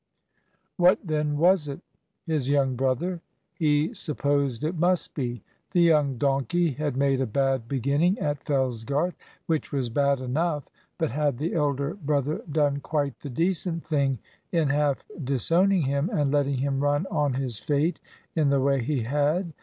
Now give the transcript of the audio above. What then was it? His young brother? He supposed it must be. The young donkey had made a bad beginning at Fellsgarth which was bad enough. But had the elder brother done quite the decent thing in half disowning him, and letting him run on his fate in the way he had?